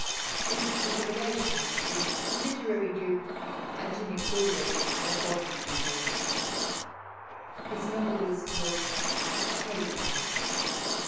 This was a relation, the literary Duke, Antony Ulrich of Wolfenbattel. His novel was called "Octavia."